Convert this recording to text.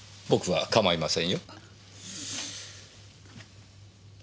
僕はかまいませんよ。